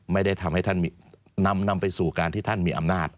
ไม่ได้ทำให้ท่านนำไปสู่การที่ท่านมีอำนาจ